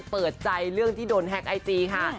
เปิดใจเรื่องที่โดนแฮ็กไอจีค่ะ